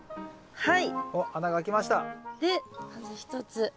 はい。